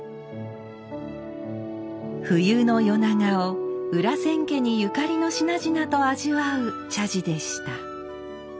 冬の夜長を裏千家にゆかりの品々と味わう茶事でした。